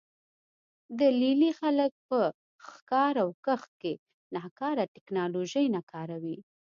د لې لې خلک په ښکار او کښت کې ناکاره ټکنالوژي نه کاروي